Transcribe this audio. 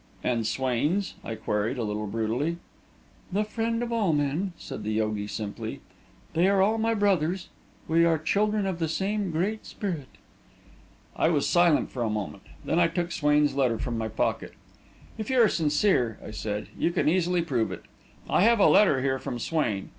"And Swain's?" I queried, a little brutally. "The friend of all men," said the yogi, simply. "They are all my brothers. We are children of the same Great Spirit." I was silent for a moment. Then I took Swain's letter from my pocket. "If you are sincere," I said, "you can easily prove it. I have a letter here from Swain.